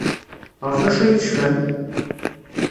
Ɣef wacu ay tecfam?